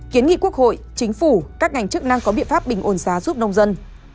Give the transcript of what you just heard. kiến nghị quốc hội chính phủ các ngành chức năng có biện pháp bình ồn giá giúp nông dân